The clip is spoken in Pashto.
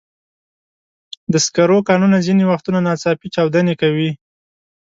د سکرو کانونه ځینې وختونه ناڅاپي چاودنې کوي.